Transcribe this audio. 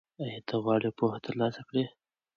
ایا ته غواړې پوهه ترلاسه کړې؟